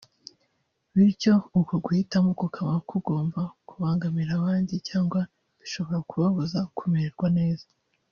bityo uko guhitamo kukaba kugomba kubangamira abandi cyangwa bishobora kubabuza kumererwa neza